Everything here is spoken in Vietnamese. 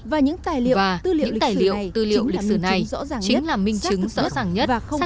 và những tài liệu tư liệu lịch sử này chính là minh chứng rõ ràng nhất xác thực nhất